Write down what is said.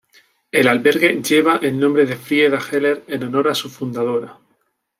El albergue lleva el nombre de Frieda Heller en honor a su fundadora.